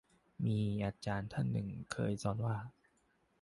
มีอาจารย์ท่านหนึ่งเคยสอนว่า